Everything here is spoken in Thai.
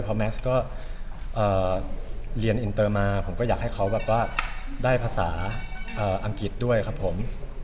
เพราะแม็กซ์ก็เรียนอินเตอร์มาผมก็อยากให้เขาได้ภาษาอังกฤษด้วยครับผม